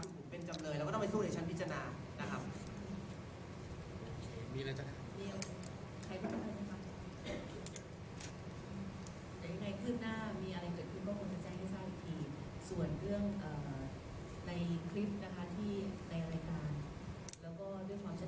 ผมเป็นจำเลยเราก็ต้องไปสู้ในชั้นพิจารณานะครับ